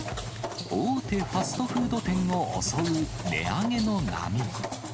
大手ファストフード店を襲う値上げの波。